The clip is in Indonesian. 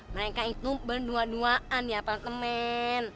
mereka itu berdua duaan di apartemen